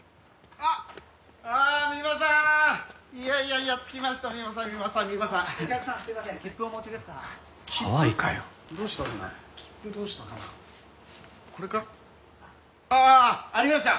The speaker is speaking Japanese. ああっありました！